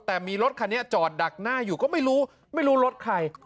แต่มีรถคันนี้จอดดักหน้าอยู่ก็ไม่รู้ไม่รู้รถใคร